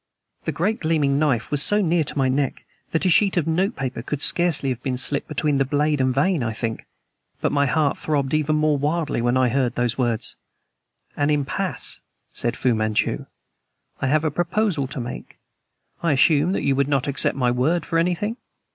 The great gleaming knife was so near to my neck that a sheet of notepaper could scarcely have been slipped between blade and vein, I think; but my heart throbbed even more wildly when I heard those words. "An impasse," said Fu Manchu. "I have a proposal to make. I assume that you would not accept my word for anything?"